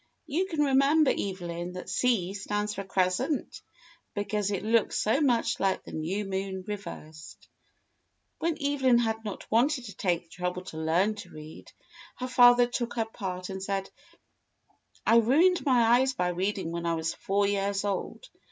"You can remember, Eve lyn, that C stands for crescent, because it looks so much like the new moon reversed." When Evelyn had not wanted to take the trouble to learn to read, her father took her part and said: "I ruined my eyes by reading when I was four years old.